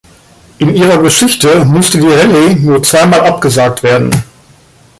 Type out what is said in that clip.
In ihrer Geschichte musste die Rallye nur zweimal abgesagt werden.